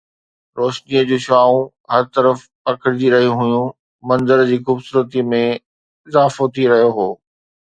روشنيءَ جون شعاعون هر طرف پکڙجي رهيون هيون، منظر جي خوبصورتي ۾ اضافو ٿي رهيو هو